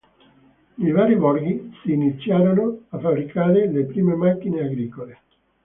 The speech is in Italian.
Nei vari borghi si iniziarono a fabbricare le prime macchine agricole.